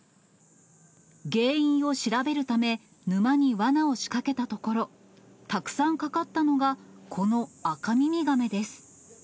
原因を調べるため、沼にわなを仕掛けたところ、たくさんかかったのが、このアカミミガメです。